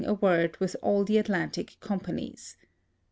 a word with all the Atlantic companies.